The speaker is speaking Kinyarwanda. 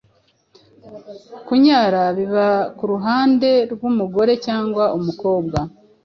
kunyara biba k’uruhande rw’umugore cyangwa umukobwa